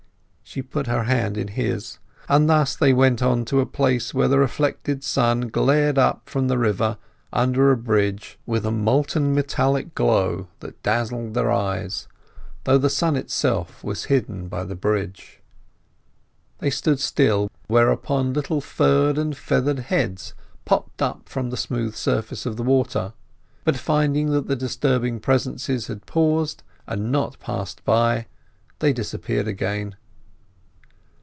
She put her hand in his, and thus they went on, to a place where the reflected sun glared up from the river, under a bridge, with a molten metallic glow that dazzled their eyes, though the sun itself was hidden by the bridge. They stood still, whereupon little furred and feathered heads popped up from the smooth surface of the water; but, finding that the disturbing presences had paused, and not passed by, they disappeared again.